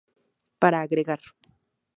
Para agregar.